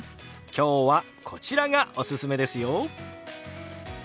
今日はこちらがおすすめですよ。